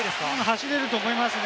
走れると思います。